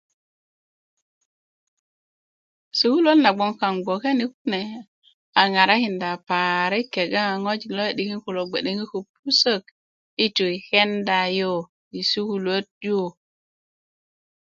sukuluöt na bgoŋ kaŋ i bgoke ni kune a ŋarakinda parik kega ŋojik lo ldi'dikin kulo bge'de ko pusök i tu i kenda you i sukuluöt yu